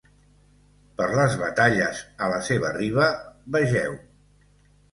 Per les batalles a la seva riba, vegeu.